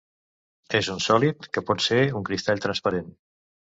És un sòlid que pot ser un cristall transparent.